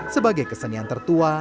sebagai kesenian tertua